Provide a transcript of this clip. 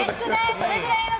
そのぐらいの。